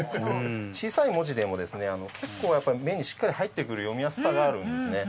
小さい文字でもですね結構やっぱり目にしっかり入ってくる読みやすさがあるんですね。